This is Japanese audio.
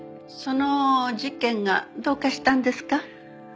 その事件がどうかしたんですか？